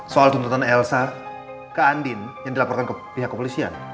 soal tuntutan elsa ke andin yang dilaporkan ke pihak kepolisian